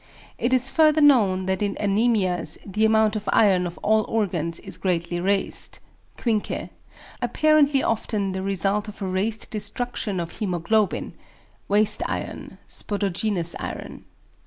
It is further known that in anæmias the amount of iron of all organs is greatly raised (Quincke), apparently often the result of a raised destruction of hæmoglobin ("waste iron," "spodogenous iron").